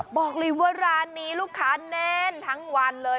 บอกเลยว่าร้านนี้ลูกค้าแน่นทั้งวันเลย